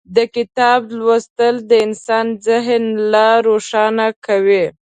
د کتاب لوستل د انسان ذهن لا روښانه کوي.